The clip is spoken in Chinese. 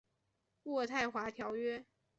渥太华条约。